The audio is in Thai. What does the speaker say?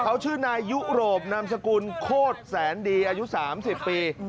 เขาชื่อนายยุโรปนามสกุลโคตรแสนดีอายุ๓๐ปี